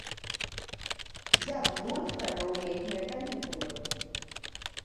Як гурт правёў летнія канікулы?